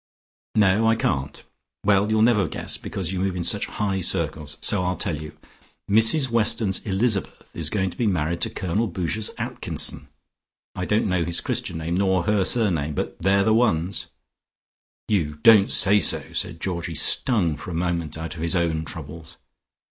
"No, I can't. Well, you'll never guess because you move in such high circles, so I'll tell you. Mrs Weston's Elizabeth is going to be married to Colonel Boucher's Atkinson. I don't know his Christian name, nor her surname, but they're the ones!" "You don't say so!" said Georgie, stung for a moment out of his own troubles.